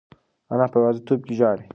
انا په یوازیتوب کې ژاړي.